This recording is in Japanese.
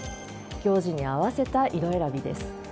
行事に合わせた色選びです。